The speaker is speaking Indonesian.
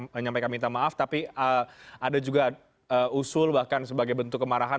menyampaikan minta maaf tapi ada juga usul bahkan sebagai bentuk kemarahan